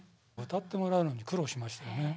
歌ってもらうのに苦労しましたよね。